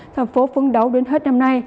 tp hcm phấn đấu đến hết năm nay